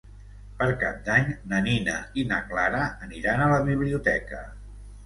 Per Cap d'Any na Nina i na Clara aniran a la biblioteca.